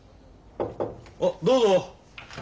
あどうぞ。